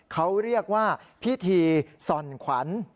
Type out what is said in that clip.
เขาเรียกว่าพิธีส่อนขวัญ